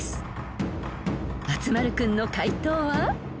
［松丸君の解答は］